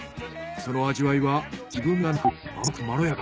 その味わいは渋みがなく甘くてまろやか。